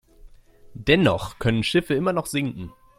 Dennoch können Schiffe immer noch sinken.